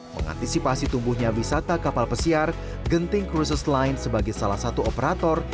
mengantisipasi tumbuhnya wisata kapal pesiar genting cruises line sebagai salah satu operator